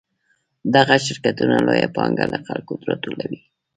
دغه شرکتونه لویه پانګه له خلکو راټولوي